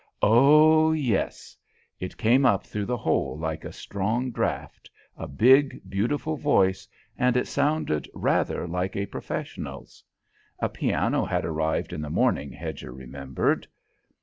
Oh yes! It came up through the hole like a strong draught, a big, beautiful voice, and it sounded rather like a professional's. A piano had arrived in the morning, Hedger remembered.